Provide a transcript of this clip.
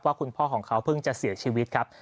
คุณพ่อของเขาเพิ่งจะเสียชีวิตครับ